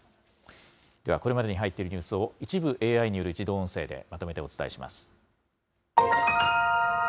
ではこれまでに入っているニュースを、一部ＡＩによる自動音声でまとめてお伝えします。